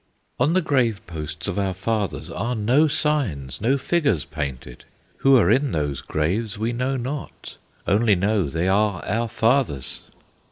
"On the grave posts of our fathers Are no signs, no figures painted; Who are in those graves we know not, Only know they are our fathers.